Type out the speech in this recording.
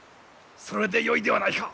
それでよいではないか。